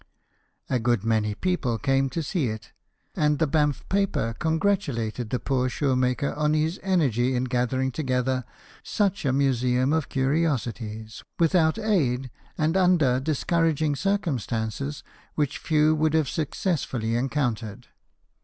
A good many people came to see it, and the Banff paper congratulated the poor shoemaker on his energy in gathering together such a museum of curiosities " without aid, and under discouraging circumstances which few would have successfully encountered.